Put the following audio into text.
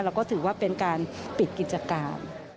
แล้วก็ถือว่าเป็นการปิดกิจการ